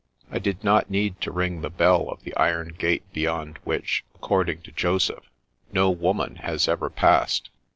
I did not need to ring the bell of the iron gate beyond which, according to Joseph, no woman has ever passed.